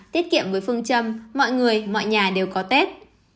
tiết kiệm với phương châm mọi người mọi nhà đều có tết